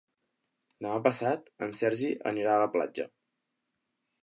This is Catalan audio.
Demà passat en Sergi anirà a la platja.